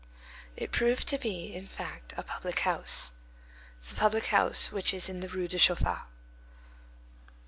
It proved to be, in fact, a public house. The public house which is in the Rue de Chaffaut.